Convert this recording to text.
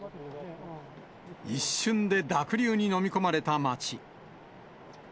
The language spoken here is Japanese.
一瞬で濁流に飲み込まれた町。